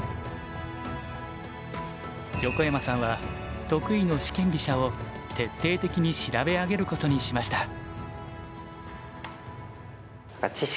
横山さんは得意の四間飛車を徹底的に調べ上げることにしました。